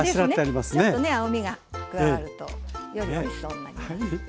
ちょっとね青みが加わるとよりおいしそうになります。